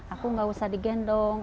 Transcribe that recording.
aku gak usah di gendong